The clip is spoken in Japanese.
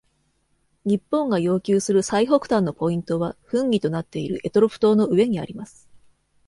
日本が要求する最北端のポイントは紛議となっている択捉島の上にあります。